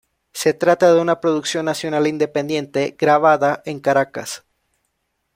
Se trata de una producción nacional independiente grabada en Caracas.